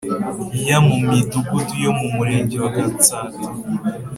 ya mu Midugudu yo mu Murenge wa Gatsata